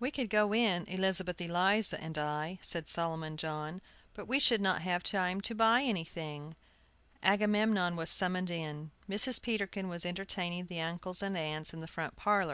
"We could go in, Elizabeth Eliza and I," said Solomon John, "but we should not have time to buy anything." Agamemnon was summoned in. Mrs. Peterkin was entertaining the uncles and aunts in the front parlor.